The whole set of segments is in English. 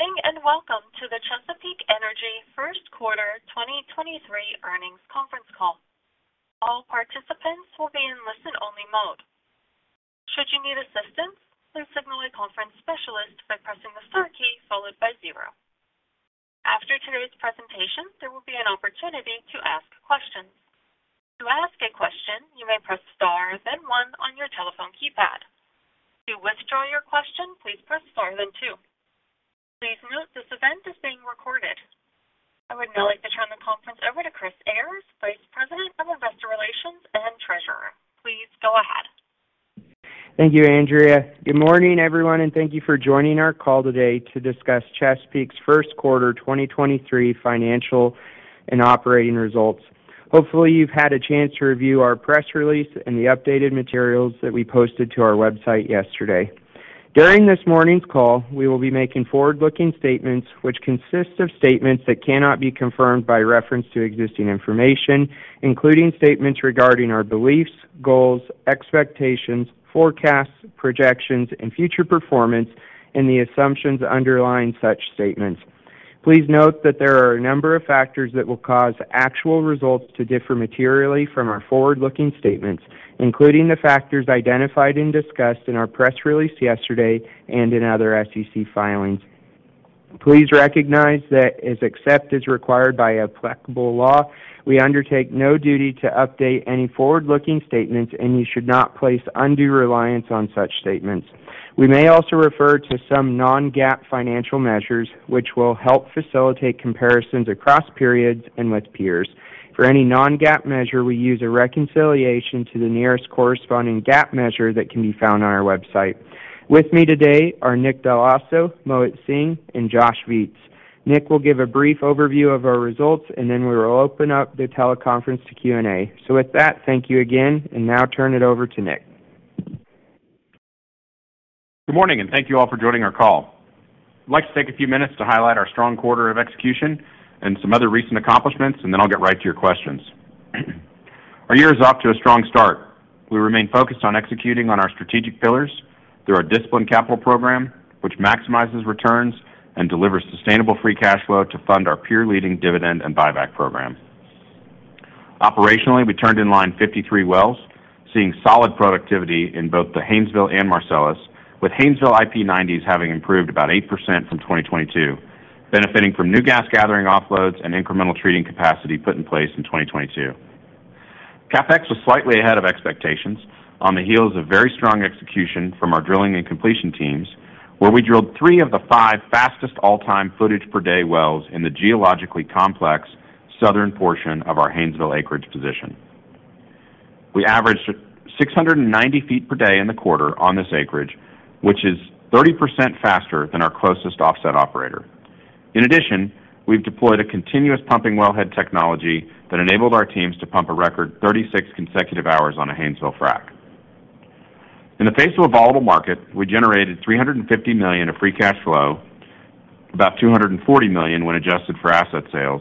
Good morning, welcome to the Chesapeake Energy first quarter 2023 earnings conference call. All participants will be in listen-only mode. Should you need assistance, please signal a conference specialist by pressing the star key followed by zero. After today's presentation, there will be an opportunity to ask questions. To ask a question, you may press star, then one on your telephone keypad. To withdraw your question, please press star then two. Please note this event is being recorded. I would now like to turn the conference over to Chris Ayres, Vice President of Investor Relations and Treasurer. Please go ahead. Thank you, Andrea. Good morning, everyone, thank you for joining our call today to discuss Chesapeake's first-quarter 2023 financial and operating results. Hopefully, you've had a chance to review our press release and the updated materials that we posted to our website yesterday. During this morning's call, we will be making forward-looking statements, which consist of statements that cannot be confirmed by reference to existing information, including statements regarding our beliefs, goals, expectations, forecasts, projections, and future performance, and the assumptions underlying such statements. Please note that there are a number of factors that will cause actual results to differ materially from our forward-looking statements, including the factors identified and discussed in our press release yesterday and in other SEC filings. Please recognize that as accept is required by applicable law, we undertake no duty to update any forward-looking statements. You should not place undue reliance on such statements. We may also refer to some non-GAAP financial measures, which will help facilitate comparisons across periods and with peers. For any non-GAAP measure, we use a reconciliation to the nearest corresponding GAAP measure that can be found on our website. With me today are Nick Dell'Osso, Mohit Singh, and Josh Viets. Nick will give a brief overview of our results, and then we will open up the teleconference to Q&A. With that, thank you again, and now turn it over to Nick. Good morning, and thank you all for joining our call. I'd like to take a few minutes to highlight our strong quarter of execution and some other recent accomplishments, and then I'll get right to your questions. Our year is off to a strong start. We remain focused on executing on our strategic pillars through our disciplined capital program, which maximizes returns and delivers sustainable free cash flow to fund our peer-leading dividend and buyback program. Operationally, we turned in line 53 wells, seeing solid productivity in both the Haynesville and Marcellus, with Haynesville IP90s having improved about 8% from 2022, benefiting from new gas gathering offloads and incremental treating capacity put in place in 2022. CapEx was slightly ahead of expectations on the heels of very strong execution from our drilling and completion teams, where we drilled three of the five fastest all-time footage per day wells in the geologically complex southern portion of our Haynesville acreage position. We averaged 690 feet per day in the quarter on this acreage, which is 30% faster than our closest offset operator. We've deployed a continuous pumping well head technology that enabled our teams to pump a record 36 consecutive hours on a Haynesville frack. In the face of a volatile market, we generated $350 million of free cash flow, about $240 million when adjusted for asset sales,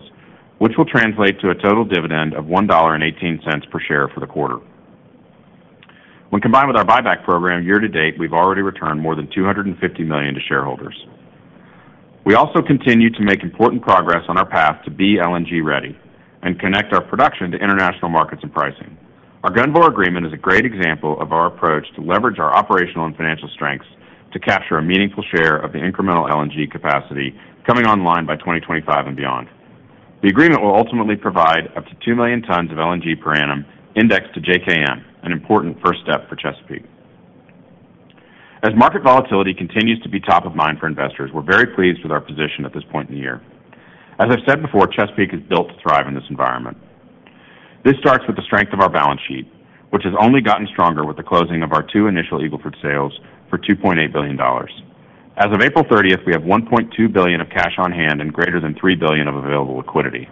which will translate to a total dividend of $1.18 per share for the quarter. When combined with our buyback program year to date, we've already returned more than $250 million to shareholders. We also continue to make important progress on our path to be LNG ready and connect our production to international markets and pricing. Our Gunvor agreement is a great example of our approach to leverage our operational and financial strengths to capture a meaningful share of the incremental LNG capacity coming online by 2025 and beyond. The agreement will ultimately provide up to 2 million tons of LNG per annum indexed to JKM, an important first step for Chesapeake. Market volatility continues to be top of mind for investors, we're very pleased with our position at this point in the year. I've said before, Chesapeake, is built to thrive in this environment. This starts with the strength of our balance sheet, which has only gotten stronger with the closing of our two initial Eagle Ford sales for $2.8 billion. As of April 30th, we have $1.2 billion of cash on hand and greater than $3 billion of available liquidity.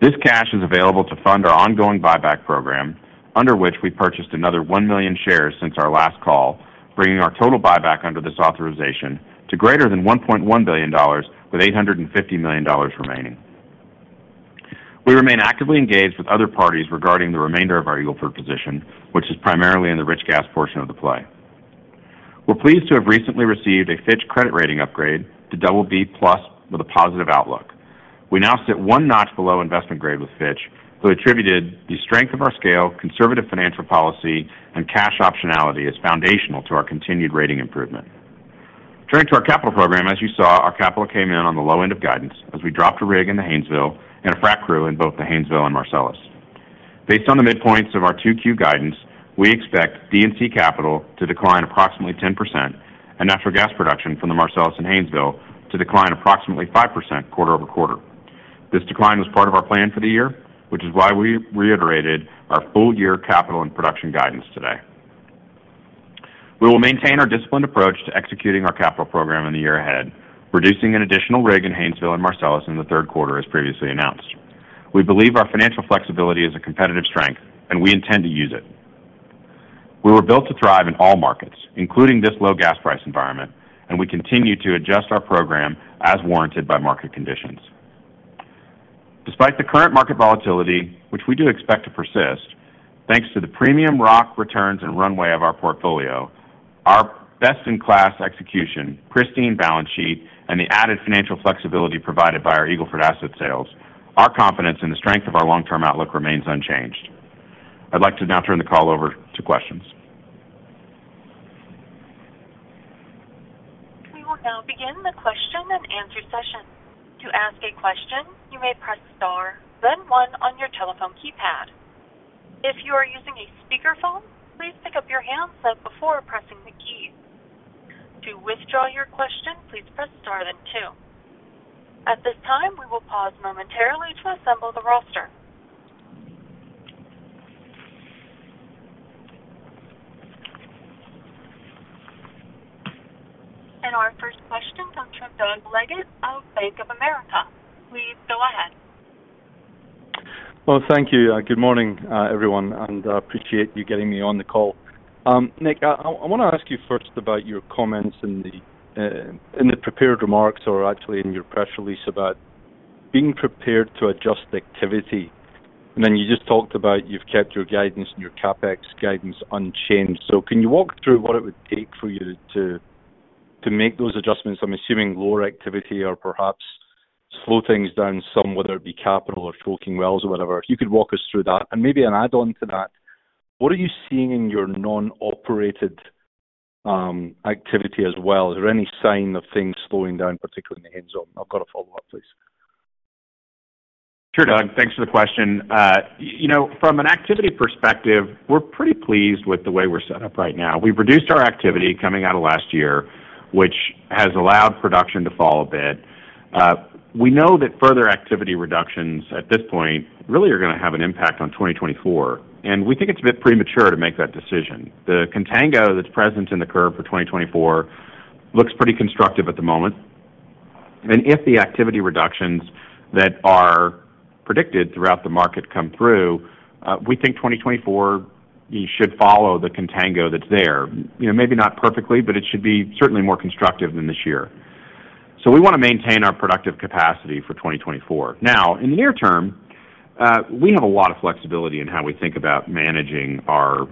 This cash is available to fund our ongoing buyback program, under which we purchased another 1 million shares since our last call, bringing our total buyback under this authorization to greater than $1.1 billion, with $850 million remaining. We remain actively engaged with other parties regarding the remainder of our Eagle Ford position, which is primarily in the rich gas portion of the play. We're pleased to have recently received a Fitch credit rating upgrade to BB+ with a positive outlook. We now sit one notch below investment grade with Fitch, who attributed the strength of our scale, conservative financial policy, and cash optionality as foundational to our continued rating improvement. Turning to our capital program, as you saw, our capital came in on the low end of guidance as we dropped a rig in the Haynesville and a frack crew in both the Haynesville and Marcellus. Based on the midpoints of our 2Q guidance, we expect D&C capital to decline approximately 10% and natural gas production from the Marcellus and Haynesville to decline approximately 5% quarter-over-quarter. This decline was part of our plan for the year, which is why we reiterated our full-year capital and production guidance today. We will maintain our disciplined approach to executing our capital program in the year ahead, reducing an additional rig in Haynesville and Marcellus in the third quarter as previously announced. We believe our financial flexibility is a competitive strength, and we intend to use it. We were built to thrive in all markets, including this low gas price environment, and we continue to adjust our program as warranted by market conditions. Despite the current market volatility, which we do expect to persist, thanks to the premium rock returns and runway of our portfolio, our best-in-class execution, pristine balance sheet, and the added financial flexibility provided by our Eagle Ford asset sales, our confidence in the strength of our long-term outlook remains unchanged. I'd like to now turn the call over to questions. We will now begin the question and answer session. To ask a question, you may press star then one on your telephone keypad. If you are using a speaker phone, please pick up your handset before pressing the key. To withdraw your question, please press star then two. At this time, we will pause momentarily to assemble the roster. Our first question comes from Doug Leggate of Bank of America. Please go ahead. Well, thank you. Good morning, everyone, and I appreciate you getting me on the call. Nick, I wanna ask you first about your comments in the prepared remarks, or actually in your press release about being prepared to adjust the activity. Then you just talked about you've kept your guidance and your CapEx guidance unchanged. Can you walk through what it would take for you to make those adjustments? I'm assuming lower activity or perhaps slow things down some, whether it be capital or choking wells or whatever. If you could walk us through that. Maybe an add on to that, what are you seeing in your non-operated activity as well? Is there any sign of things slowing down, particularly in the end zone? I've got a follow-up, please. Sure, Doug. Thanks for the question. You know, from an activity perspective, we're pretty pleased with the way we're set up right now. We've reduced our activity coming out of last year, which has allowed production to fall a bit. We know that further activity reductions at this point really are gonna have an impact on 2024, and we think it's a bit premature to make that decision. The contango that's present in the curve for 2024 looks pretty constructive at the moment. If the activity reductions that are predicted throughout the market come through, we think 2024 should follow the contango that's there. You know, maybe not perfectly, but it should be certainly more constructive than this year. We wanna maintain our productive capacity for 2024. Now, in the near term, we have a lot of flexibility in how we think about managing our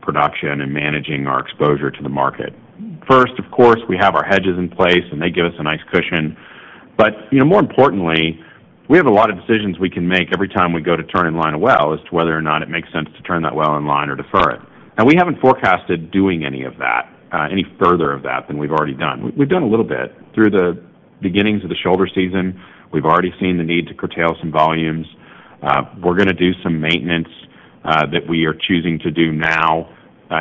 production and managing our exposure to the market. First, of course, we have our hedges in place, and they give us a nice cushion. You know, more importantly, we have a lot of decisions we can make every time we go to turn in line a well as to whether or not it makes sense to turn that well in line or defer it. Now, we haven't forecasted doing any of that, any further of that than we've already done. We've done a little bit. Through the beginnings of the shoulder season, we've already seen the need to curtail some volumes. We're gonna do some maintenance that we are choosing to do now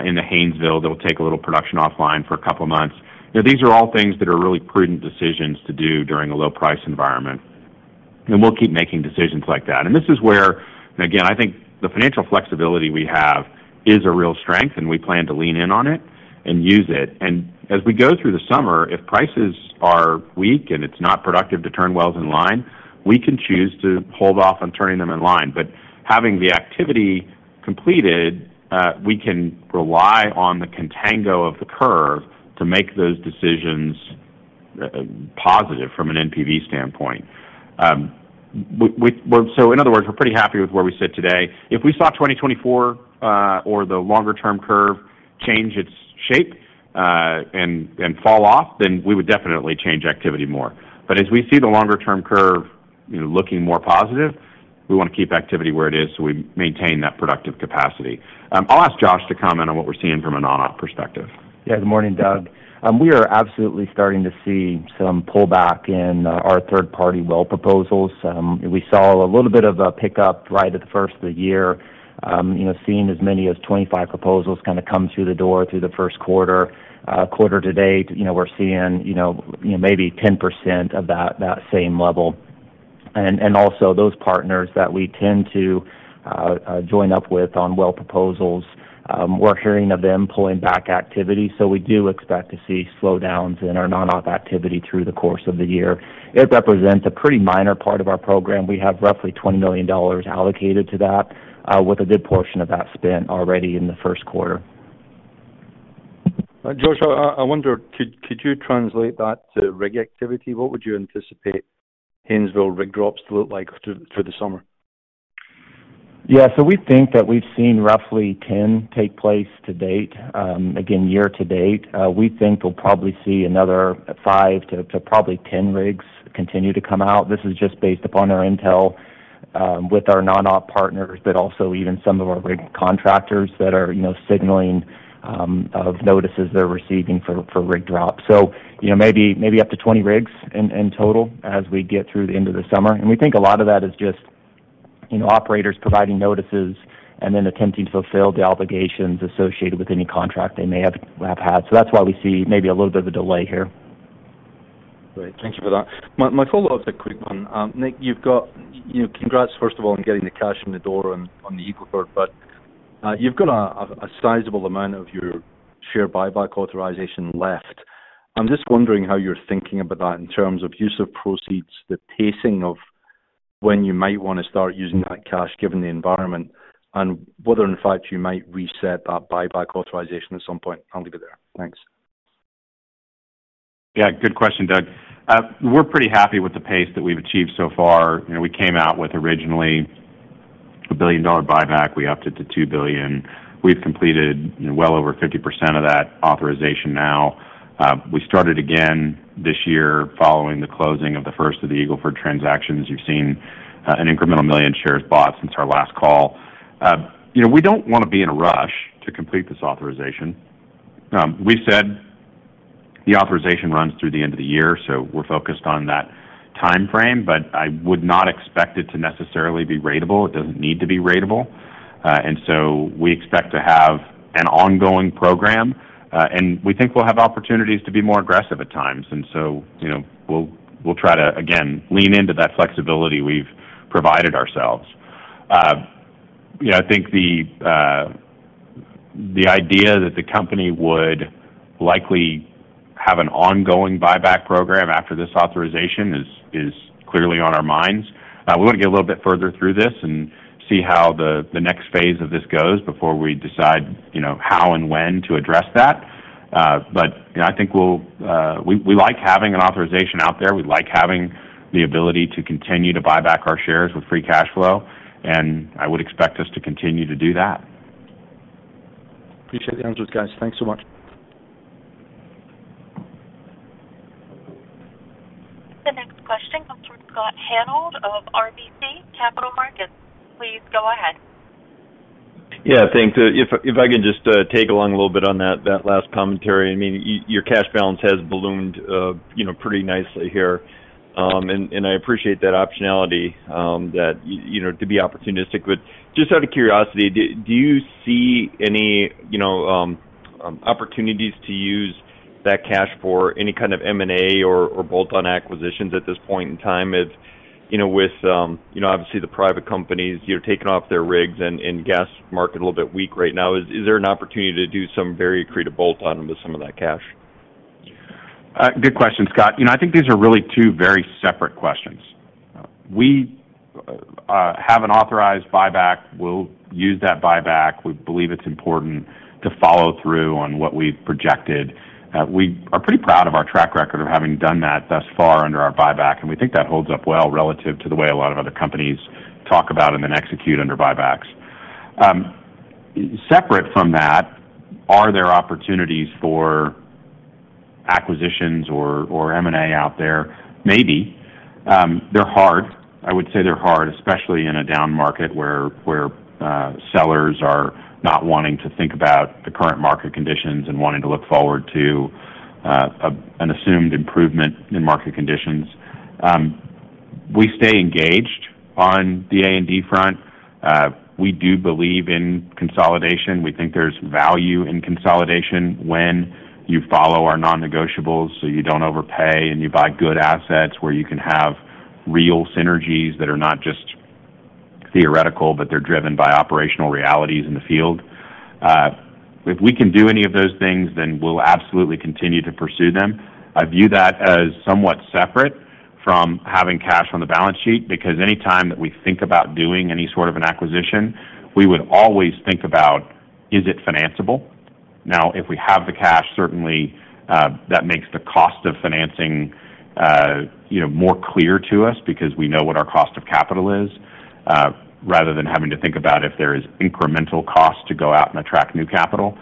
in the Haynesville that will take a little production offline for two months. You know, these are all things that are really prudent decisions to do during a low price environment. We'll keep making decisions like that. This is where, again, I think the financial flexibility we have is a real strength, and we plan to lean in on it and use it. As we go through the summer, if prices are weak and it's not productive to turn wells in line, we can choose to hold off on turning them in line. Having the activity completed, we can rely on the contango of the curve to make those decisions positive from an NPV standpoint. In other words, we're pretty happy with where we sit today. If we saw 2024, or the longer-term curve change its shape, and fall off, then we would definitely change activity more. As we see the longer-term curve, you know, looking more positive, we wanna keep activity where it is, so we maintain that productive capacity. I'll ask Josh to comment on what we're seeing from a non-op perspective. Yeah, good morning, Doug. We are absolutely starting to see some pullback in our third-party well proposals. We saw a little bit of a pickup right at the first of the year, you know, seeing as many as 25 proposals kinda come through the door through the first quarter. Quarter to date, you know, we're seeing maybe 10% of that same level. Also those partners that we tend to join up with on well proposals, we're hearing of them pulling back activity, so we do expect to see slowdowns in our non-op activity through the course of the year. It represents a pretty minor part of our program. We have roughly $20 million allocated to that, with a good portion of that spent already in the first quarter. Josh, I wonder, could you translate that to rig activity? What would you anticipate Haynesville rig drops to look like through the summer? Yeah. We think that we've seen roughly 10 take place to date. Again, year to date, we think we'll probably see another five to probably 10 rigs continue to come out. This is just based upon our intel with our non-op partners, but also even some of our rig contractors that are, you know, signaling of notices they're receiving for rig drops. You know, maybe up to 20 rigs in total as we get through the end of the summer. We think a lot of that is just, you know, operators providing notices and then attempting to fulfill the obligations associated with any contract they may have had. That's why we see maybe a little bit of a delay here. Great. Thank you for that. My follow-up is a quick one. Nick, you know, congrats, first of all, on getting the cash from the door on the Eagle Ford. You've got a sizable amount of your share buyback authorization left. I'm just wondering how you're thinking about that in terms of use of proceeds, the pacing of when you might wanna start using that cash given the environment, and whether in fact you might reset that buyback authorization at some point. I'll leave it there. Thanks. Good question, Doug. We're pretty happy with the pace that we've achieved so far. You know, we came out with originally a $1 billion-dollar buyback. We upped it to $2 billion. We've completed well over 50% of that authorization now. We started again this year following the closing of the first of the Eagle Ford transactions. You've seen an incremental 1 million shares bought since our last call. You know, we don't want to be in a rush to complete this authorization. We said the authorization runs through the end of the year, so we're focused on that timeframe, but I would not expect it to necessarily be ratable. It doesn't need to be ratable. We expect to have an ongoing program, and we think we'll have opportunities to be more aggressive at times. You know, we'll try to, again, lean into that flexibility we've provided ourselves. You know, I think the idea that the company would likely have an ongoing buyback program after this authorization is clearly on our minds. We want to get a little bit further through this and see how the next phase of this goes before we decide, you know, how and when to address that. You know, I think we'll, we like having an authorization out there. We like having the ability to continue to buy back our shares with free cash flow, and I would expect us to continue to do that. Appreciate the answers, guys. Thanks so much. The next question comes from Scott Hanold of RBC Capital Markets. Please go ahead. Yeah, thanks. If I can just tag along a little bit on that last commentary. I mean, your cash balance has ballooned, you know, pretty nicely here, and I appreciate that optionality, that, you know, to be opportunistic. Just out of curiosity, do you see any, you know, opportunities to use that cash for any kind of M&A or bolt-on acquisitions at this point in time? If, you know, with, you know, obviously the private companies, you know, taking off their rigs and gas market a little bit weak right now, is there an opportunity to do some very accretive bolt-on with some of that cash? Good question, Scott. You know, I think these are really two very separate questions. We have an authorized buyback. We'll use that buyback. We believe it's important to follow through on what we've projected. We are pretty proud of our track record of having done that thus far under our buyback, and we think that holds up well relative to the way a lot of other companies talk about and then execute under buybacks. Separate from that, are there opportunities for acquisitions or M&A out there? Maybe. They're hard. I would say they're hard, especially in a down market where sellers are not wanting to think about the current market conditions and wanting to look forward to an assumed improvement in market conditions. We stay engaged on the A&D front. We do believe in consolidation. We think there's value in consolidation when you follow our non-negotiables, so you don't overpay and you buy good assets where you can have real synergies that are not just theoretical, but they're driven by operational realities in the field. If we can do any of those things, then we'll absolutely continue to pursue them. I view that as somewhat separate from having cash on the balance sheet because any time that we think about doing any sort of an acquisition, we would always think about, is it financeable? If we have the cash, certainly, that makes the cost of financing, you know, more clear to us because we know what our cost of capital is, rather than having to think about if there is incremental cost to go out and attract new capital.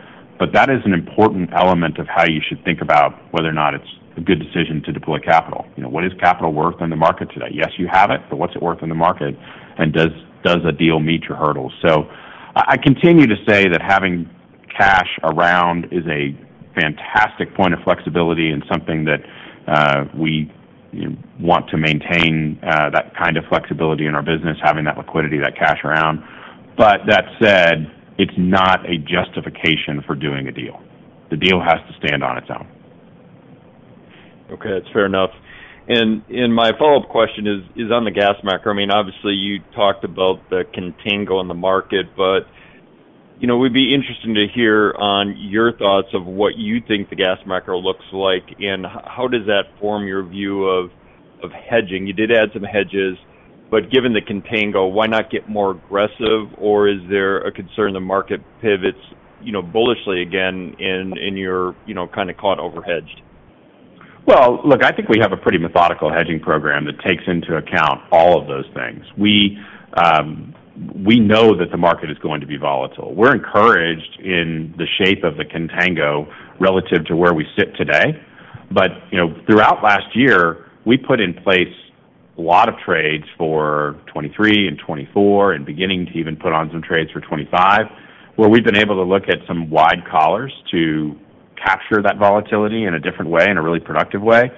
That is an important element of how you should think about whether or not it's a good decision to deploy capital. You know, what is capital worth in the market today? Yes, you have it, but what's it worth in the market? Does a deal meet your hurdles? I continue to say that having cash around is a fantastic point of flexibility and something that we want to maintain that kind of flexibility in our business, having that liquidity, that cash around. That said, it's not a justification for doing a deal. The deal has to stand on its own. Okay, that's fair enough. My follow-up question is on the gas macro. I mean, obviously, you talked about the contango in the market, but, you know, we'd be interested to hear on your thoughts of what you think the gas macro looks like, and how does that form your view of hedging? You did add some hedges, but given the contango, why not get more aggressive? Is there a concern the market pivots, you know, bullishly again and you're, you know, kind of caught overhedged? Well, look, I think we have a pretty methodical hedging program that takes into account all of those things. We know that the market is going to be volatile. We're encouraged in the shape of the contango relative to where we sit today. You know, throughout last year, we put in place a lot of trades for 2023 and 2024 and beginning to even put on some trades for 2025, where we've been able to look at some wide collars to capture that volatility in a different way, in a really productive way.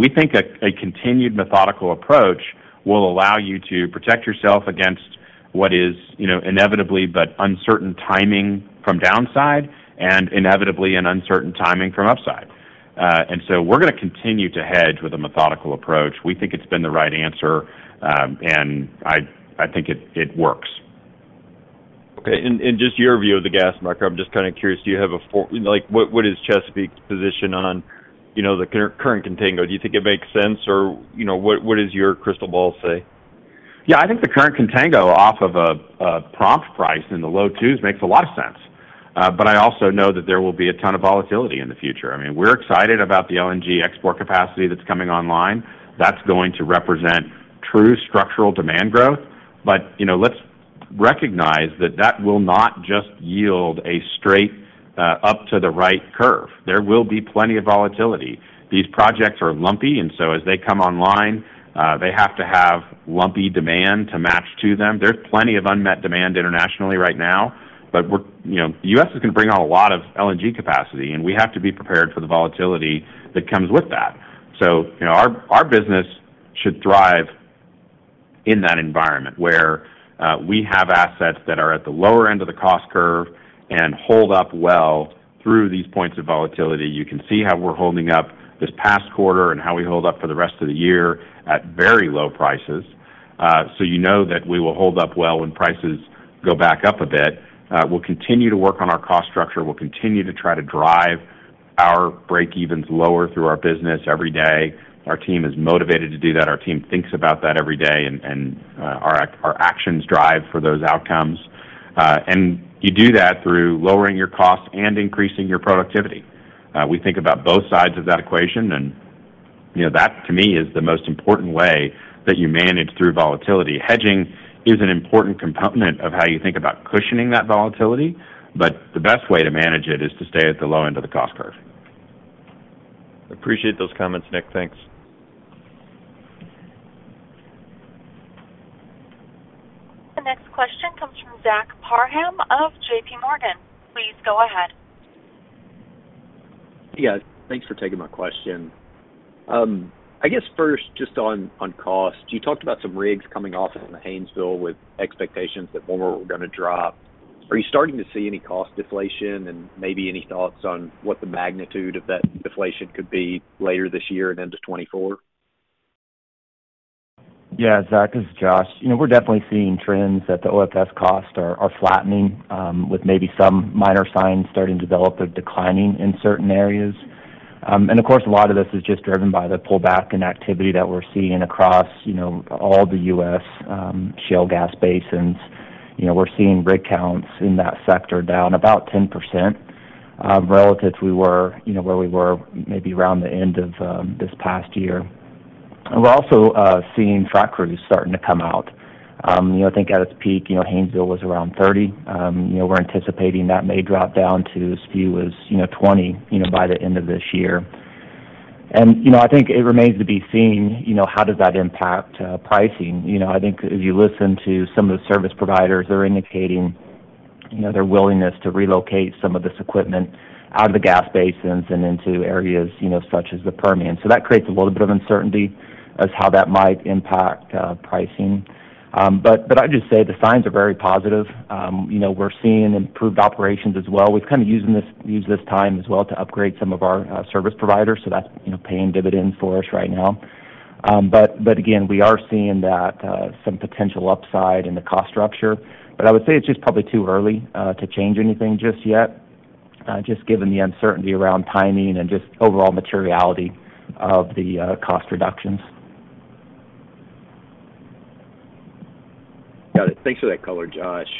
We think a continued methodical approach will allow you to protect yourself against what is, you know, inevitably but uncertain timing from downside and inevitably an uncertain timing from upside. We're gonna continue to hedge with a methodical approach. We think it's been the right answer, and I think it works. Okay. Just your view of the gas macro, I'm just kind of curious, do you have a like, what is Chesapeake's position on, you know, the current contango? Do you think it makes sense? Or, you know, what does your crystal ball say? Yeah, I think the current contango off of a prompt price in the low twos makes a lot of sense. I also know that there will be a ton of volatility in the future. I mean, we're excited about the LNG export capacity that's coming online. That's going to represent true structural demand growth. You know, let's recognize that that will not just yield a straight, up to the right curve. There will be plenty of volatility. These projects are lumpy, and so as they come online, they have to have lumpy demand to match to them. There's plenty of unmet demand internationally right now. You know, U.S. is gonna bring on a lot of LNG capacity, and we have to be prepared for the volatility that comes with that. You know, our business should thrive in that environment, where we have assets that are at the lower end of the cost curve and hold up well through these points of volatility. You can see how we're holding up this past quarter and how we hold up for the rest of the year at very low prices. You know that we will hold up well when prices go back up a bit. We'll continue to work on our cost structure. We'll continue to try to drive our break-evens lower through our business every day. Our team is motivated to do that. Our team thinks about that every day, and our actions drive for those outcomes. You do that through lowering your costs and increasing your productivity. We think about both sides of that equation. You know, that, to me, is the most important way that you manage through volatility. Hedging is an important component of how you think about cushioning that volatility. The best way to manage it is to stay at the low end of the cost curve. Appreciate those comments, Nick. Thanks. The next question comes from Zach Parham of JPMorgan. Please go ahead. Yeah. Thanks for taking my question. I guess first, just on cost, you talked about some rigs coming off in the Haynesville with expectations that more were gonna drop. Are you starting to see any cost deflation? Maybe any thoughts on what the magnitude of that deflation could be later this year and into 2024? Yeah. Zach, this is Josh. You know, we're definitely seeing trends that the OFS costs are flattening, with maybe some minor signs starting to develop of declining in certain areas. Of course, a lot of this is just driven by the pullback in activity that we're seeing across, you know, all the U.S. shale gas basins. You know, we're seeing rig counts in that sector down about 10%, relative you know, where we were maybe around the end of this past year. We're also seeing frac crews starting to come out. You know, I think at its peak, you know, Haynesville was around 30. You know, we're anticipating that may drop down to as few as, you know, 20, you know, by the end of this year. I think it remains to be seen, you know, how does that impact pricing. I think if you listen to some of the service providers, they're indicating, you know, their willingness to relocate some of this equipment out of the gas basins and into areas, you know, such as the Permian. That creates a little bit of uncertainty as how that might impact pricing. But I'd just say the signs are very positive. You know, we're seeing improved operations as well. We've kind of used this time as well to upgrade some of our service providers, so that's, you know, paying dividends for us right now. But again, we are seeing that some potential upside in the cost structure. I would say it's just probably too early to change anything just yet, just given the uncertainty around timing and just overall materiality of the cost reductions. Got it. Thanks for that color, Josh.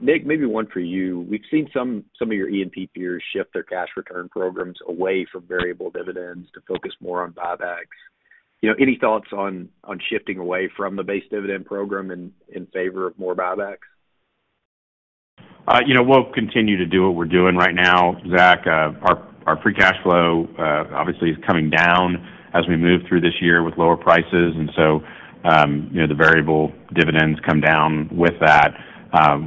Nick, maybe one for you. We've seen some of your E&P peers shift their cash return programs away from variable dividends to focus more on buybacks. You know, any thoughts on shifting away from the base dividend program in favor of more buybacks? You know, we'll continue to do what we're doing right now, Zach. Our free cash flow, obviously, is coming down as we move through this year with lower prices, and so, you know, the variable dividends come down with that.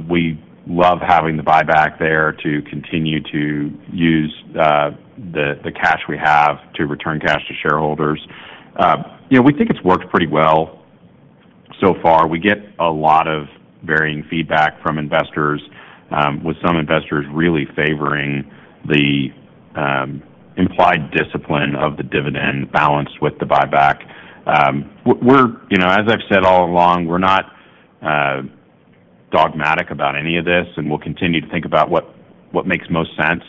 We love having the buyback there to continue to use the cash we have to return cash to shareholders. You know, we think it's worked pretty well so far. We get a lot of varying feedback from investors, with some investors really favoring the implied discipline of the dividend balanced with the buyback. You know, as I've said all along, we're not dogmatic about any of this, and we'll continue to think about what makes most sense.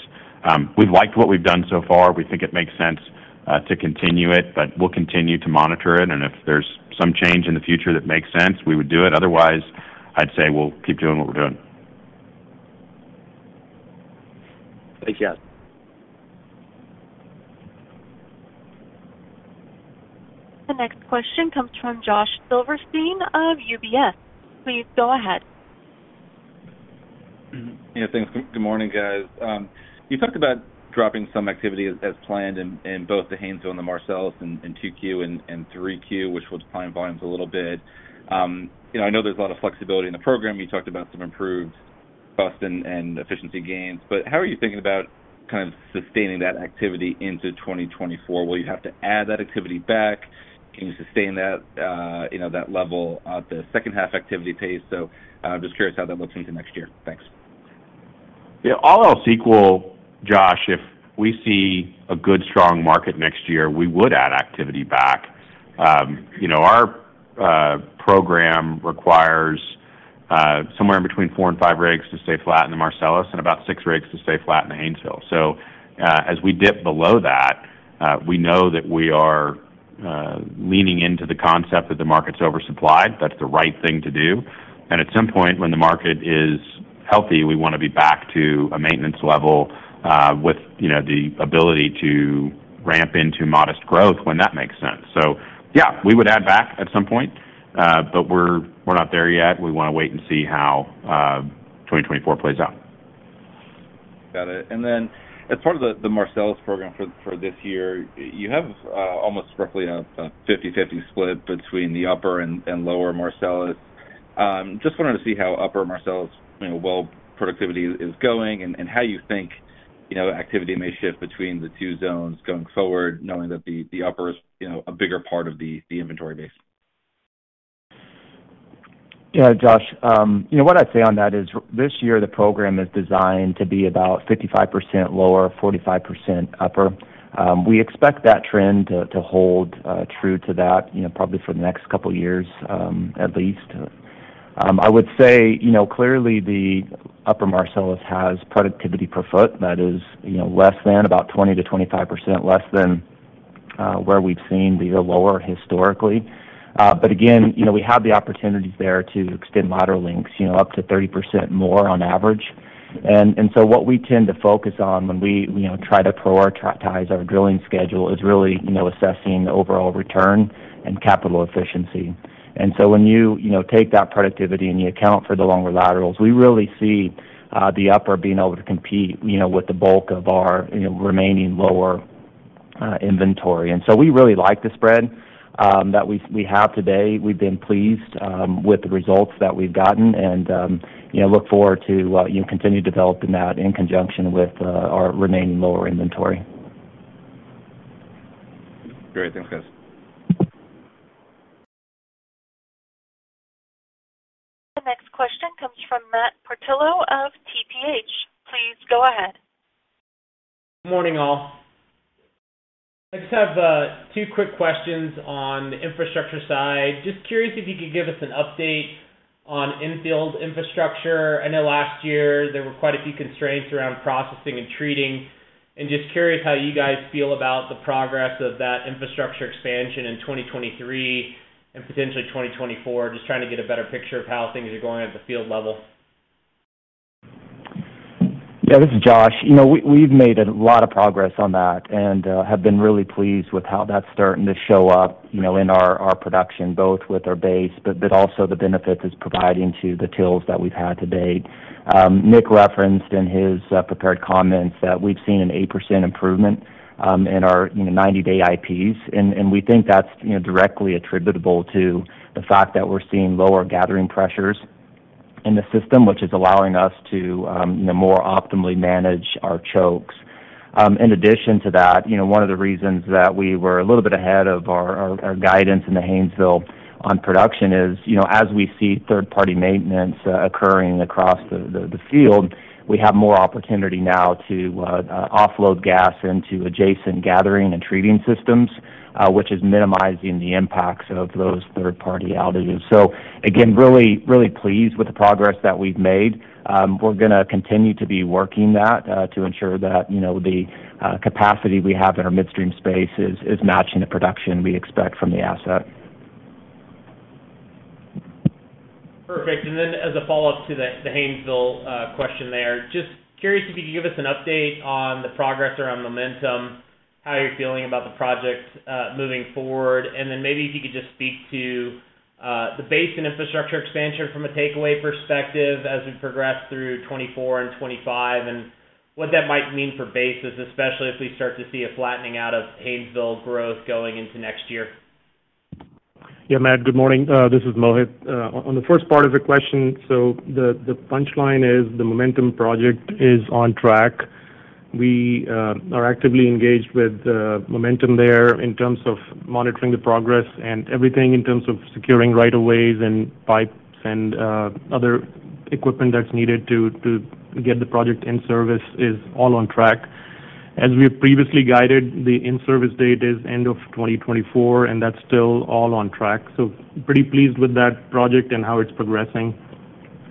We've liked what we've done so far. We think it makes sense to continue it, but we'll continue to monitor it. If there's some change in the future that makes sense, we would do it. Otherwise, I'd say we'll keep doing what we're doing. Thanks. Yeah. The next question comes from Josh Silverstein of UBS. Please go ahead. Yeah. Thanks. Good morning, guys. You talked about dropping some activity as planned in both the Haynesville and the Marcellus in 2Q and 3Q, which will decline volumes a little bit. You know, I know there's a lot of flexibility in the program. You talked about some improved cost and efficiency gains. How are you thinking about kind of sustaining that activity into 2024? Will you have to add that activity back? Can you sustain that, you know, that level of the second half activity pace? Just curious how that looks into next year. Thanks. Yeah. All else equal, Josh, if we see a good strong market next year, we would add activity back. You know, our program requires. Somewhere in between four and five rigs to stay flat in the Marcellus and about six rigs to stay flat in the Haynesville. As we dip below that, we know that we are leaning into the concept that the market's oversupplied. That's the right thing to do. At some point when the market is healthy, we wanna be back to a maintenance level, with, you know, the ability to ramp into modest growth when that makes sense. Yeah, we would add back at some point, but we're not there yet. We wanna wait and see how 2024 plays out. Got it. As part of the Marcellus program for this year, you have almost roughly a 50/50 split between the upper and lower Marcellus. Just wanted to see how upper Marcellus, you know, well productivity is going and how you think, you know, activity may shift between the two zones going forward knowing that the upper is, you know, a bigger part of the inventory base. Yeah, Josh. you know what I'd say on that is this year the program is designed to be about 55% lower, 45% upper. We expect that trend to hold true to that, you know, probably for the next couple of years, at least. I would say, you know, clearly the upper Marcellus has productivity per foot that is, you know, less than about 20%-25% less than where we've seen the lower historically. Again, you know, we have the opportunities there to extend moderate links, you know, up to 30% more on average. What we tend to focus on when we, you know, try to prioritize our drilling schedule is really, you know, assessing the overall return and capital efficiency. When you know, take that productivity and you account for the longer laterals, we really see the upper being able to compete, you know, with the bulk of our, you know, remaining lower inventory. We really like the spread that we have today. We've been pleased with the results that we've gotten and, you know, look forward to, you know, continue developing that in conjunction with our remaining lower inventory. Great. Thanks, guys. The next question comes from Matt Portillo of TPH. Please go ahead. Morning, all. I just have two quick questions on the infrastructure side. Just curious if you could give us an update on infield infrastructure. I know last year there were quite a few constraints around processing and treating, and just curious how you guys feel about the progress of that infrastructure expansion in 2023 and potentially 2024. Just trying to get a better picture of how things are going at the field level. Yeah, this is Josh. We've made a lot of progress on that and have been really pleased with how that's starting to show up in our production, both with our base, but also the benefits it's providing to the TILs that we've had to date. Nick referenced in his prepared comments that we've seen an 8% improvement in our 90-day IPs. We think that's directly attributable to the fact that we're seeing lower gathering pressures in the system, which is allowing us to more optimally manage our chokes. In addition to that, you know, one of the reasons that we were a little bit ahead of our guidance in the Haynesville on production is, you know, as we see third party maintenance occurring across the field, we have more opportunity now to offload gas into adjacent gathering and treating systems, which is minimizing the impacts of those third party outages. Again, really, really pleased with the progress that we've made. We're gonna continue to be working that to ensure that, you know, the capacity we have in our midstream space is matching the production we expect from the asset. Perfect. As a follow-up to the Haynesville question there, just curious if you could give us an update on the progress around Momentum, how you're feeling about the project moving forward. Maybe if you could just speak to the basin infrastructure expansion from a takeaway perspective as we progress through 2024 and 2025, and what that might mean for basis, especially if we start to see a flattening out of Haynesville growth going into next year. Yeah. Matt, good morning. This is Mohit. On the first part of the question, the punchline is the Momentum project is on track. We are actively engaged with Momentum there in terms of monitoring the progress and everything in terms of securing right of ways and pipes and other equipment that's needed to get the project in service is all on track. As we have previously guided, the in-service date is end of 2024, that's still all on track. Pretty pleased with that project and how it's progressing.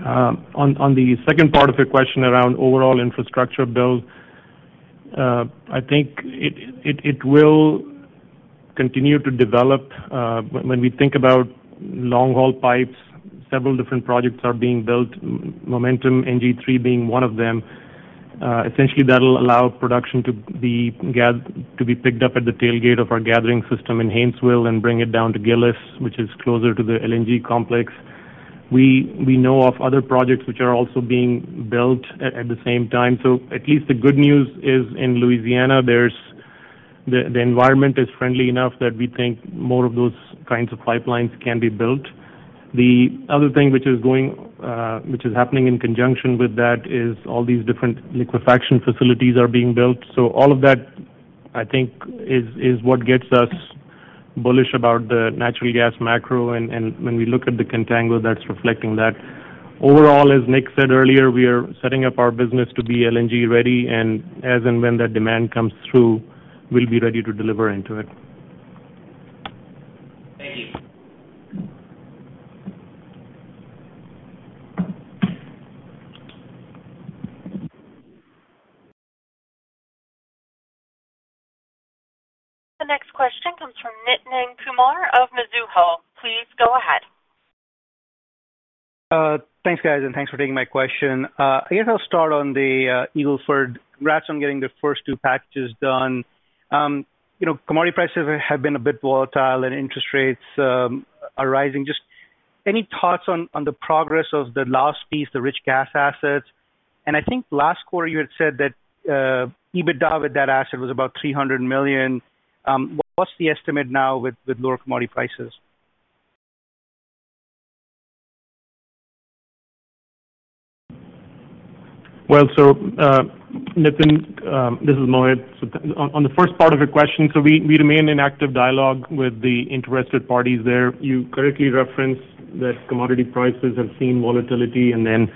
On the second part of your question around overall infrastructure build, I think it will continue to develop. When we think about long-haul pipes, several different projects are being built, Momentum, NG3 being one of them. Essentially that'll allow production to be picked up at the tailgate of our gathering system in Haynesville and bring it down to Gillis, which is closer to the LNG complex. We know of other projects which are also being built at the same time. At least the good news is, in Louisiana, there's the environment is friendly enough that we think more of those kinds of pipelines can be built. The other thing which is happening in conjunction with that is all these different liquefaction facilities are being built. All of that, I think, is what gets us bullish about the natural gas macro. When we look at the contango that's reflecting that. Overall, as Nick said earlier, we are setting up our business to be LNG ready, and as and when that demand comes through, we'll be ready to deliver into it. Thank you. The next question comes from Nitin Kumar of Mizuho. Please go ahead. Thanks, guys, and thanks for taking my question. I guess I'll start on the Eagle Ford. Congrats on getting the first two packages done. You know, commodity prices have been a bit volatile and interest rates are rising. Just any thoughts on the progress of the last piece, the rich gas assets? I think last quarter you had said that EBITDA with that asset was about $300 million. What's the estimate now with lower commodity prices? Well, Nitin, this is Mohit. On the first part of your question, we remain in active dialogue with the interested parties there. You correctly referenced that commodity prices have seen volatility, and then,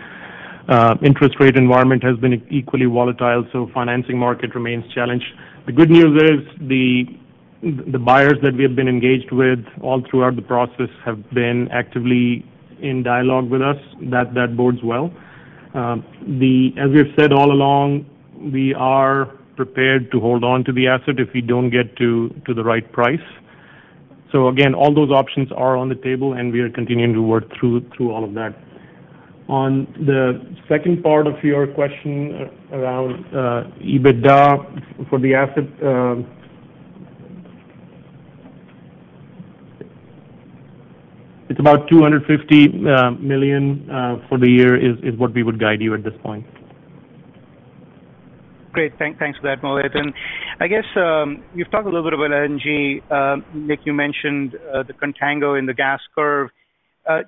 interest rate environment has been equally volatile, so financing market remains challenged. The good news is the buyers that we have been engaged with all throughout the process have been actively in dialogue with us. That bodes well. As we have said all along, we are prepared to hold on to the asset if we don't get to the right price. Again, all those options are on the table, and we are continuing to work through all of that. On the second part of your question around EBITDA for the asset. It's about $250 million for the year is what we would guide you at this point. Great. Thanks for that, Mohit. I guess, you've talked a little bit about LNG. Nick, you mentioned the contango in the gas curve.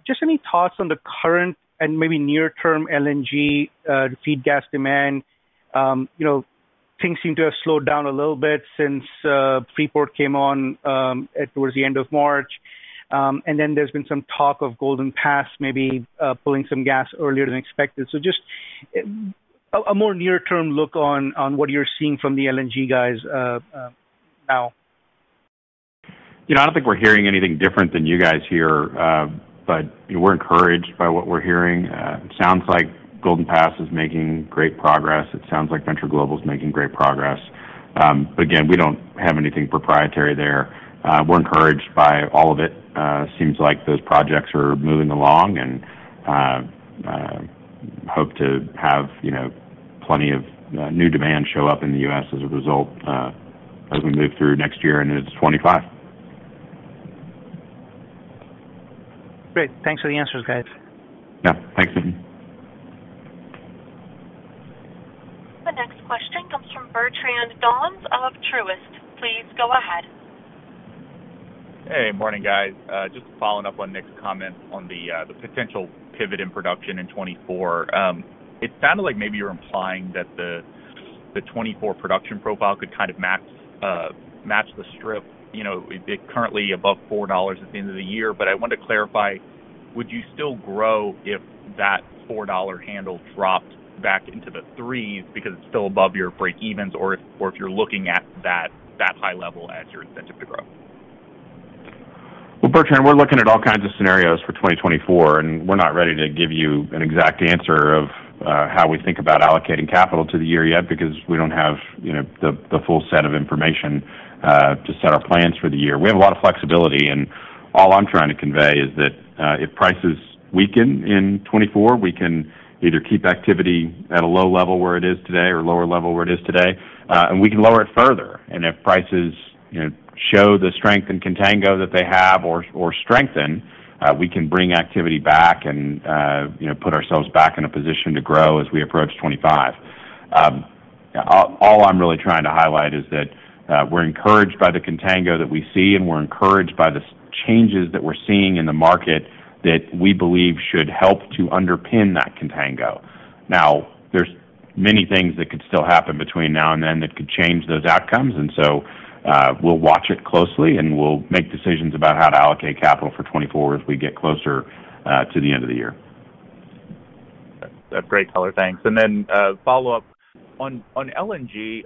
Just any thoughts on the current and maybe near-term LNG feed gas demand? you know, things seem to have slowed down a little bit since Freeport came on towards the end of March. and then there's been some talk of Golden Pass maybe pulling some gas earlier than expected. Just a more near-term look on what you're seeing from the LNG guys now. You know, I don't think we're hearing anything different than you guys hear. We're encouraged by what we're hearing. It sounds like Golden Pass is making great progress. It sounds like Venture Global is making great progress. Again, we don't have anything proprietary there. We're encouraged by all of it. Seems like those projects are moving along and hope to have, you know, plenty of new demand show up in the U.S. as a result, as we move through next year into 25. Great. Thanks for the answers, guys. Yeah. Thanks, Nitin. The next question comes from Bertrand Donnes of Truist. Please go ahead. Hey. Morning, guys. Just following up on Nick's comments on the potential pivot in production in 2024. It sounded like maybe you're implying that the 2024 production profile could kind of match the strip, you know, currently above $4 at the end of the year. I wanted to clarify, would you still grow if that $4 handle dropped back into the $3s because it's still above your breakevens or if, or if you're looking at that high level as your incentive to grow? Bertrand, we're looking at all kinds of scenarios for 2024, we're not ready to give you an exact answer of how we think about allocating capital to the year yet because we don't have, you know, the full set of information to set our plans for the year. We have a lot of flexibility, all I'm trying to convey is that if prices weaken in 2024, we can either keep activity at a low level where it is today or lower level where it is today, and we can lower it further. If prices, you know, show the strength and contango that they have or strengthen, we can bring activity back and, you know, put ourselves back in a position to grow as we approach 2025. All I'm really trying to highlight is that we're encouraged by the contango that we see, and we're encouraged by the changes that we're seeing in the market that we believe should help to underpin that contango. There's many things that could still happen between now and then that could change those outcomes. We'll watch it closely, and we'll make decisions about how to allocate capital for 2024 as we get closer to the end of the year. That's great color. Thanks. Follow-up. On LNG,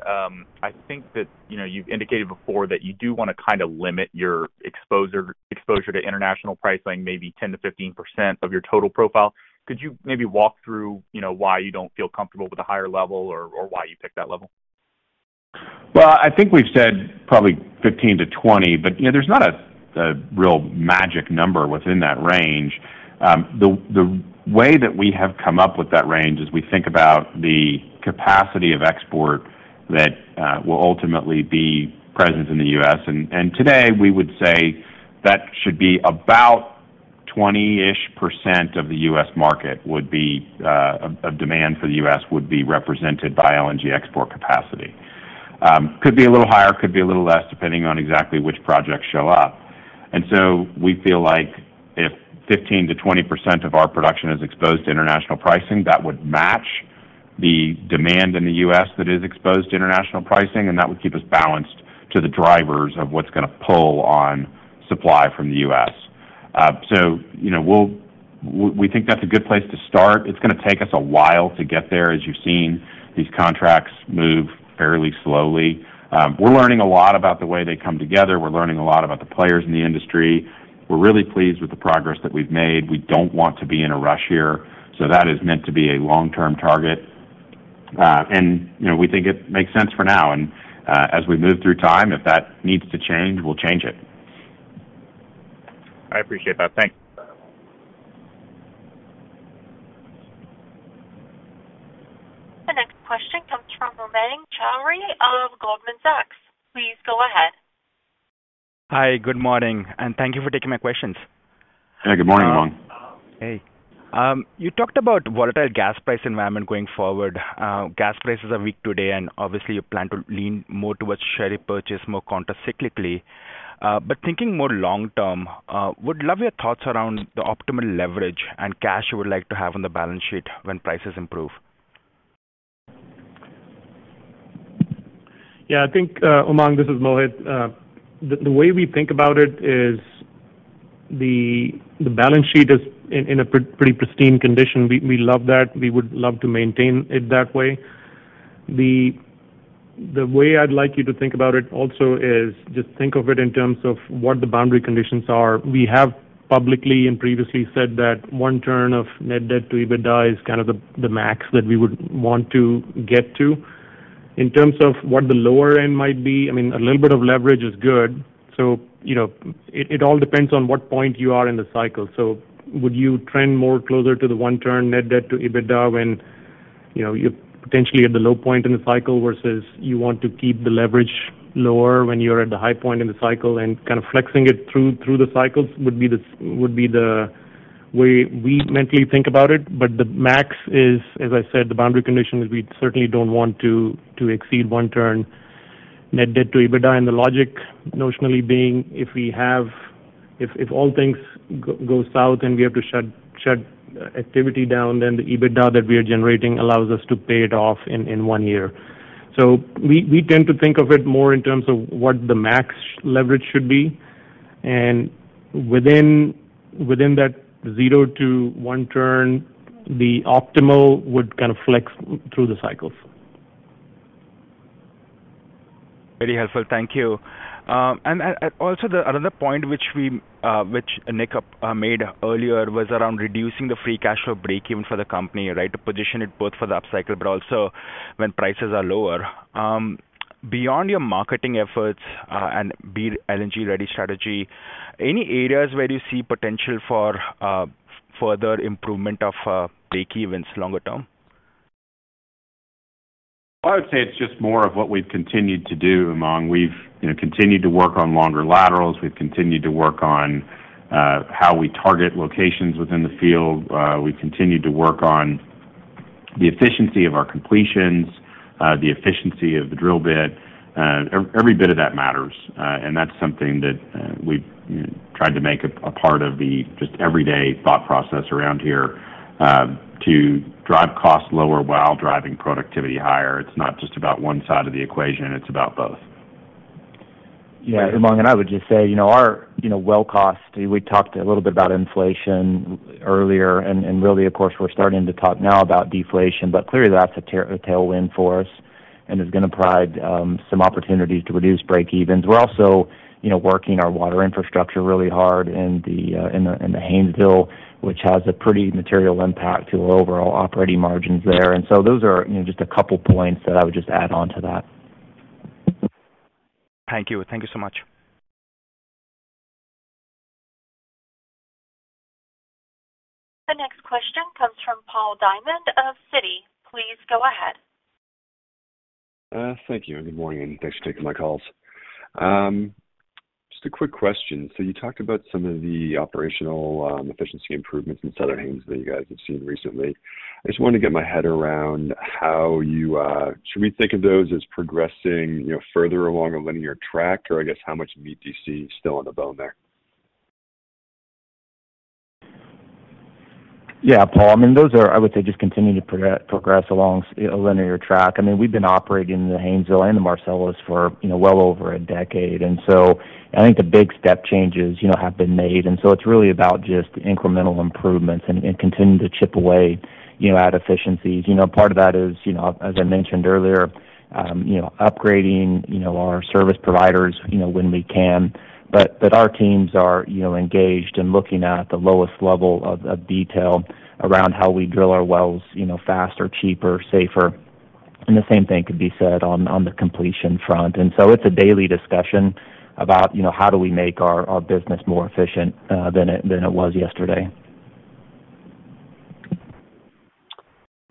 I think that, you know, you've indicated before that you do wanna kinda limit your exposure to international pricing, maybe 10%-15% of your total profile. Could you maybe walk through, you know, why you don't feel comfortable with a higher level or why you picked that level? Well, I think we've said probably 15-20, but, you know, there's not a real magic number within that range. The way that we have come up with that range is we think about the capacity of export that will ultimately be present in the U.S. Today we would say that should be about 20-ish% of the U.S. market would be of demand for the U.S. would be represented by LNG export capacity. Could be a little higher, could be a little less, depending on exactly which projects show up. So we feel like if 15%-20% of our production is exposed to international pricing, that would match the demand in the U.S. that is exposed to international pricing, and that would keep us balanced to the drivers of what's gonna pull on supply from the U.S. You know, we think that's a good place to start. It's gonna take us a while to get there. As you've seen, these contracts move fairly slowly. We're learning a lot about the way they come together. We're learning a lot about the players in the industry. We're really pleased with the progress that we've made. We don't want to be in a rush here, that is meant to be a long-term target. You know, we think it makes sense for now. As we move through time, if that needs to change, we'll change it. I appreciate that. Thanks. The next question comes from Umang Choudhary of Goldman Sachs. Please go ahead. Hi, good morning, and thank you for taking my questions. Yeah. Good morning, Umang. Hey. You talked about volatile gas price environment going forward. Gas prices are weak today, and obviously, you plan to lean more towards share repurchase more countercyclically. But thinking more long term, would love your thoughts around the optimal leverage and cash you would like to have on the balance sheet when prices improve. I think, Umang, this is Mohit. The way we think about it is the balance sheet is in a pretty pristine condition. We love that. We would love to maintain it that way. The way I'd like you to think about it also is just think of it in terms of what the boundary conditions are. We have publicly and previously said that one turn of net debt to EBITDA is kind of the max that we would want to get to. In terms of what the lower end might be, I mean, a little bit of leverage is good, so you know, it all depends on what point you are in the cycle. Would you trend more closer to the 1 turn net debt to EBITDA when, you know, you're potentially at the low point in the cycle versus you want to keep the leverage lower when you're at the high point in the cycle and kind of flexing it through the cycles would be the way we mentally think about it. The max is, as I said, the boundary condition is we certainly don't want to exceed 1 turn net debt to EBITDA. The logic notionally being, if all things go south and we have to shut activity down, then the EBITDA that we are generating allows us to pay it off in 1 year. We tend to think of it more in terms of what the max leverage should be. Within that 0-1 turn, the optimal would kind of flex through the cycles. Very helpful. Thank you. Also another point which we, which Nick made earlier was around reducing the free cash flow breakeven for the company, right? To position it both for the upcycle but also when prices are lower. Beyond your marketing efforts and be LNG-ready strategy, any areas where you see potential for further improvement of breakevens longer term? I would say it's just more of what we've continued to do, Umang. We've, you know, continued to work on longer laterals. We've continued to work on how we target locations within the field. We've continued to work on the efficiency of our completions, the efficiency of the drill bit. Every bit of that matters. That's something that we've tried to make a part of the just everyday thought process around here to drive costs lower while driving productivity higher. It's not just about one side of the equation, it's about both. Umang, I would just say, you know, our, you know, well cost, we talked a little bit about inflation earlier, and really, of course, we're starting to talk now about deflation, but clearly that's a tailwind for us and is gonna provide some opportunities to reduce breakevens. We're also, you know, working our water infrastructure really hard in the Haynesville, which has a pretty material impact to our overall operating margins there. Those are, you know, just a couple points that I would just add on to that. Thank you. Thank you so much. The next question comes from Paul Diamond of Citi. Please go ahead. Thank you, and good morning. Thanks for taking my calls. Just a quick question. You talked about some of the operational efficiency improvements in Southern Haynesville that you guys have seen recently. I just wanted to get my head around. Should we think of those as progressing, you know, further along a linear track? Or I guess how much meat do you see still on the bone there? Yeah, Paul. I mean, those are, I would say, just continuing to progress along a linear track. I mean, we've been operating in the Haynesville and the Marcellus for, you know, well over a decade. I think the big step changes, you know, have been made. It's really about just incremental improvements and continuing to chip away, you know, at efficiencies. You know, part of that is, you know, as I mentioned earlier, you know, upgrading, you know, our service providers, you know, when we can. But our teams are, you know, engaged in looking at the lowest level of detail around how we drill our wells, you know, faster, cheaper, safer. The same thing could be said on the completion front. It's a daily discussion about, you know, how do we make our business more efficient, than it was yesterday.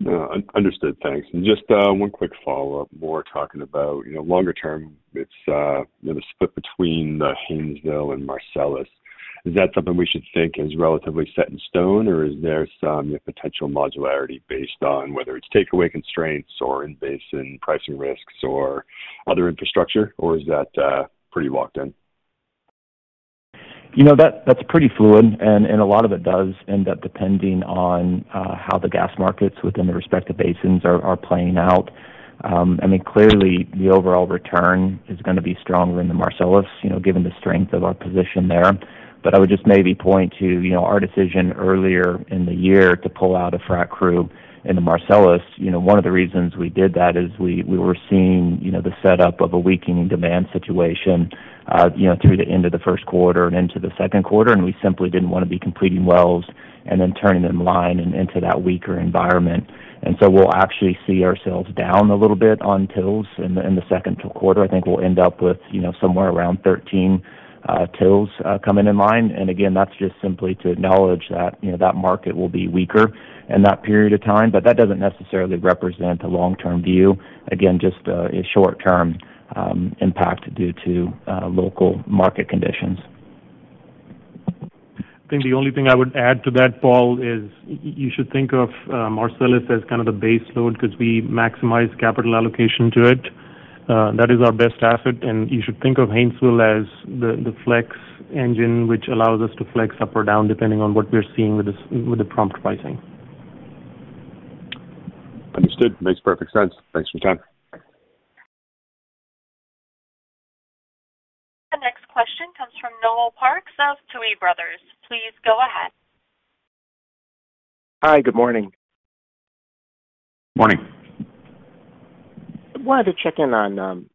No. Understood. Thanks. Just one quick follow-up more talking about, you know, longer term, it's, you know, the split between the Haynesville and Marcellus. Is that something we should think is relatively set in stone, or is there some potential modularity based on whether it's takeaway constraints or in-basin pricing risks or other infrastructure, or is that pretty locked in? You know, that's pretty fluid, and a lot of it does end up depending on how the gas markets within the respective basins are playing out. I mean, clearly the overall return is gonna be stronger in the Marcellus, you know, given the strength of our position there. I would just maybe point to, you know, our decision earlier in the year to pull out a frac crew in the Marcellus. You know, one of the reasons we did that is we were seeing, you know, the setup of a weakening demand situation, you know, through the end of the first quarter and into the second quarter, and we simply didn't wanna be completing wells and then turning them line and into that weaker environment. We'll actually see ourselves down a little bit on TILs in the second quarter. I think we'll end up with, you know, somewhere around 13 TILs coming in line. That's just simply to acknowledge that, you know, that market will be weaker in that period of time. That doesn't necessarily represent a long-term view. Just a short term impact due to local market conditions. I think the only thing I would add to that, Paul, is you should think of Marcellus as kind of the base load 'cause we maximize capital allocation to it. That is our best asset. You should think of Haynesville as the flex engine, which allows us to flex up or down, depending on what we're seeing with the prompt pricing. Understood. Makes perfect sense. Thanks for your time. The next question comes from Noel Parks of Tuohy Brothers. Please go ahead. Hi. Good morning. Morning. I wanted to check in on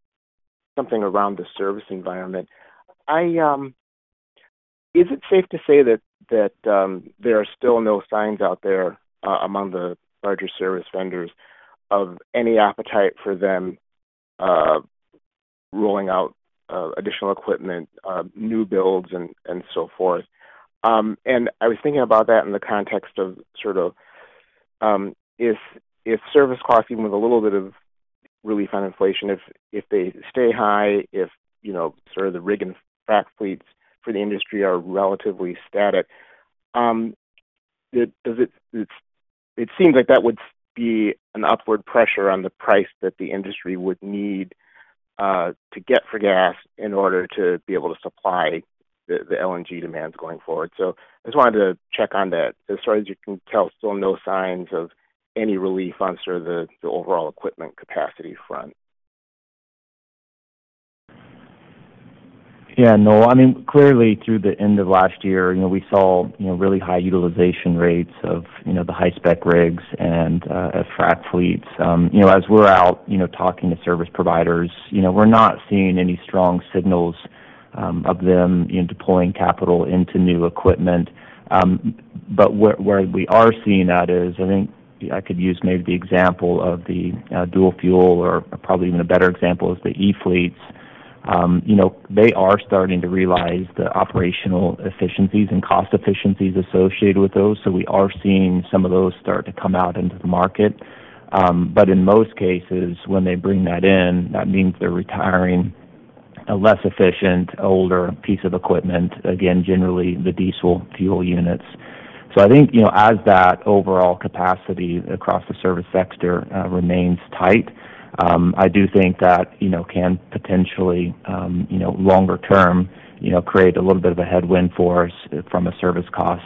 something around the service environment. Is it safe to say that there are still no signs out there among the larger service vendors of any appetite for them rolling out additional equipment, new builds and so forth? I was thinking about that in the context of sort of, if service costs, even with a little bit of relief on inflation, if they stay high, if, you know, sort of the rig and frac fleets for the industry are relatively static, it seems like that would be an upward pressure on the price that the industry would need to get for gas in order to be able to supply the LNG demands going forward. I just wanted to check on that. As far as you can tell, still no signs of any relief on sort of the overall equipment capacity front. Yeah, Noel. I mean, clearly through the end of last year, you know, we saw, you know, really high utilization rates of, you know, the high spec rigs and frac fleets. You know, as we're out, you know, talking to service providers, you know, we're not seeing any strong signals of them in deploying capital into new equipment. Where we are seeing that is, I think I could use maybe the example of the dual fuel or probably even a better example is the e-fleets. You know, they are starting to realize the operational efficiencies and cost efficiencies associated with those. We are seeing some of those start to come out into the market. In most cases, when they bring that in, that means they're retiring a less efficient, older piece of equipment. Generally the diesel fuel units. I think, you know, as that overall capacity across the service sector remains tight, I do think that, you know, can potentially, you know, longer term, you know, create a little bit of a headwind for us from a service cost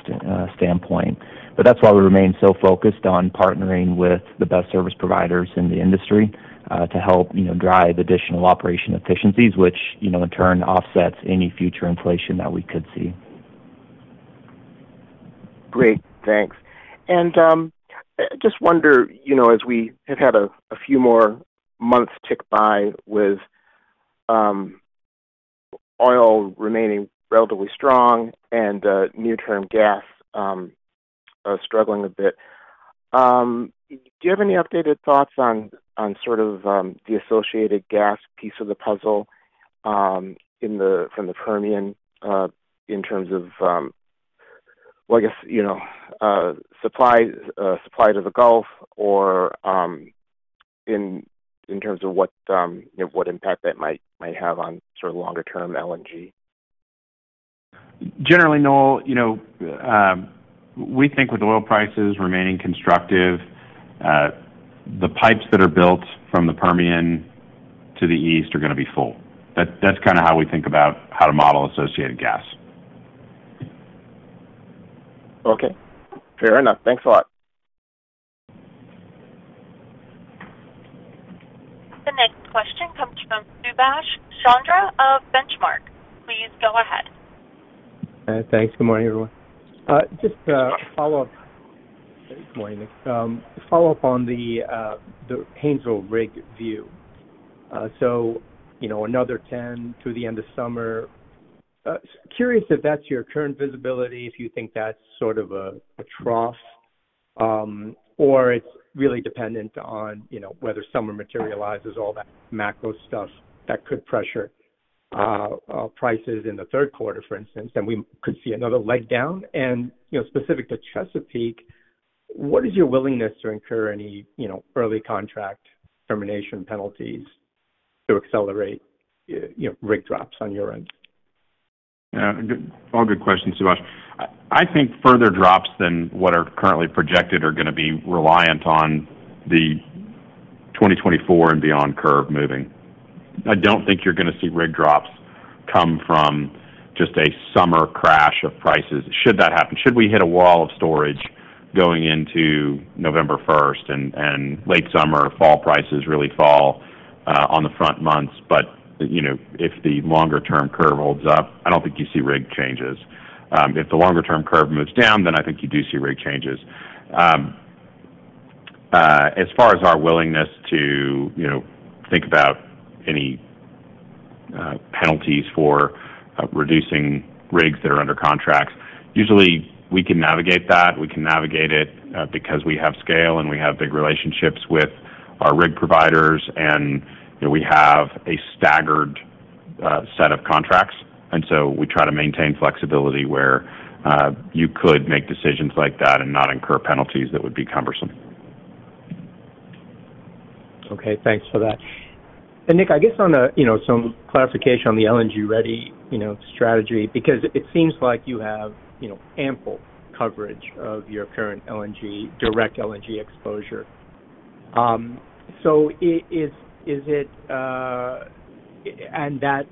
standpoint. That's why we remain so focused on partnering with the best service providers in the industry, to help, you know, drive additional operation efficiencies, which, you know, in turn offsets any future inflation that we could see. Great. Thanks. Just wonder, you know, as we have had a few more months tick by with oil remaining relatively strong and near term gas struggling a bit. Do you have any updated thoughts on sort of the associated gas piece of the puzzle from the Permian, in terms of, well, I guess, you know, supply to the Gulf or in terms of what impact that might have on sort of longer term LNG? Generally, Noel, you know, we think with oil prices remaining constructive, the pipes that are built from the Permian to the east are gonna be full. That's kinda how we think about how to model associated gas. Okay, fair enough. Thanks a lot. The next question comes from Subash Chandra of Benchmark. Please go ahead. Thanks. Good morning, everyone. Just a follow-up. Good morning. Follow-up on the Haynesville rig view. You know, another 10 through the end of summer. Curious if that's your current visibility, if you think that's sort of a trough, or it's really dependent on, you know, whether summer materializes, all that macro stuff that could pressure prices in the third quarter, for instance, then we could see another leg down. You know, specific to Chesapeake, what is your willingness to incur any, you know, early contract termination penalties to accelerate, you know, rig drops on your end? All good questions, Subash. I think further drops than what are currently projected are gonna be reliant on the 2024 and beyond curve moving. I don't think you're gonna see rig drops come from just a summer crash of prices. Should that happen, should we hit a wall of storage going into November 1st and late summer, fall prices really fall on the front months. You know, if the longer term curve holds up, I don't think you see rig changes. If the longer term curve moves down, I think you do see rig changes. As far as our willingness to, you know, think about any penalties for reducing rigs that are under contracts, usually we can navigate that. We can navigate it, because we have scale, and we have big relationships with our rig providers, and, you know, we have a staggered, set of contracts. We try to maintain flexibility where, you could make decisions like that and not incur penalties that would be cumbersome. Okay. Thanks for that. Nick, I guess on a, you know, some classification on the LNG ready, you know, strategy, because it seems like you have, you know, ample coverage of your current LNG direct LNG exposure. That,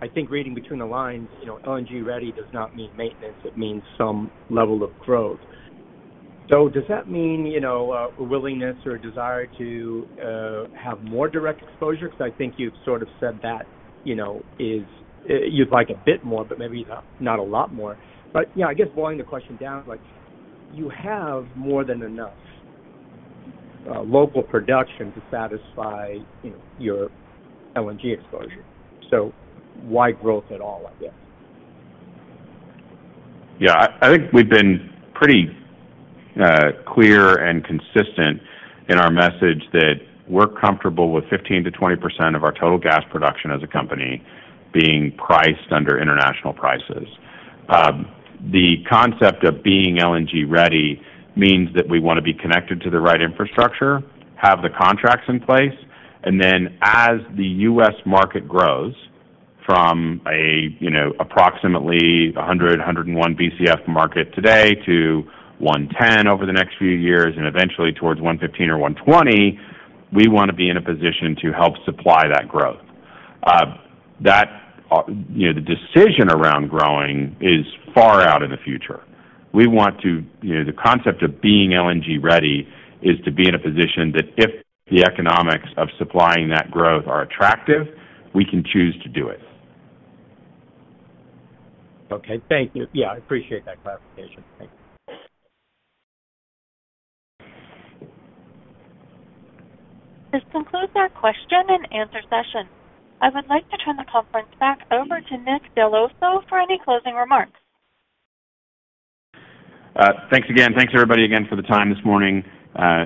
I think reading between the lines, you know, LNG ready does not mean maintenance, it means some level of growth. Does that mean, you know, a willingness or desire to have more direct exposure? I think you've sort of said that, you know, you'd like a bit more but maybe not a lot more. You know, I guess boiling the question down, like you have more than enough local production to satisfy, you know, your LNG exposure. Why growth at all, I guess? I think we've been pretty clear and consistent in our message that we're comfortable with 15%-20% of our total gas production as a company being priced under international prices. The concept of being LNG ready means that we wanna be connected to the right infrastructure, have the contracts in place, and then as the US market grows from a, you know, approximately 100, 101 BCF market today to 110 over the next few years and eventually towards 115 or 120, we wanna be in a position to help supply that growth. That, you know, the decision around growing is far out in the future. You know, the concept of being LNG ready is to be in a position that if the economics of supplying that growth are attractive, we can choose to do it. Okay. Thank you. Yeah, I appreciate that clarification. Thank you. This concludes our question and answer session. I would like to turn the conference back over to Nick Dell'Osso for any closing remarks. Thanks again. Thanks everybody again for the time this morning.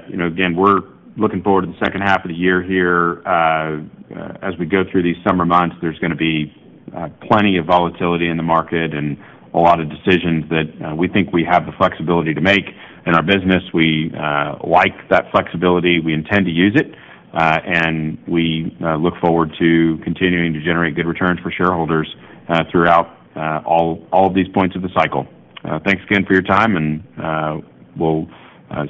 You know, again, we're looking forward to the second half of the year here. As we go through these summer months, there's gonna be plenty of volatility in the market and a lot of decisions that we think we have the flexibility to make in our business. We like that flexibility. We intend to use it, and we look forward to continuing to generate good returns for shareholders throughout all of these points of the cycle. Thanks again for your time, and we'll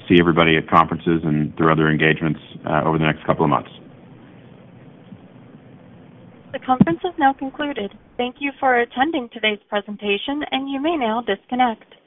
see everybody at conferences and through other engagements over the next couple of months. The conference has now concluded. Thank you for attending today's presentation, and you may now disconnect.